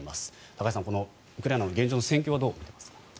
高橋さん、このウクライナの現状の戦況はどう見ていますか？